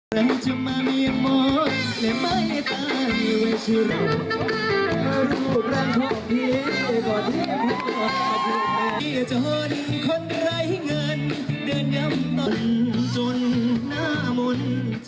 ท่านที่จะมาเมียหมดและไม่ตายไว้ชน